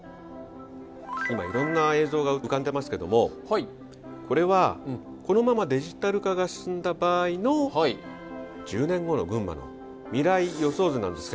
今いろんな映像が浮かんでますけどもこれはこのままデジタル化が進んだ場合の１０年後の群馬の未来予想図なんですけど。